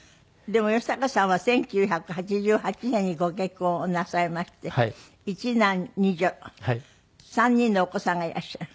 でも義隆さんは１９８８年にご結婚をなさいまして一男二女３人のお子さんがいらっしゃる。